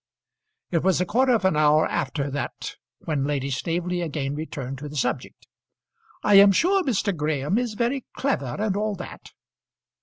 It was a quarter of an hour after that when Lady Staveley again returned to the subject. "I am sure Mr. Graham is very clever, and all that."